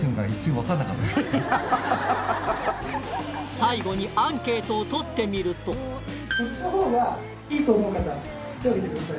最後にアンケートを取ってみるとこっちがいいと思う方手を挙げてください。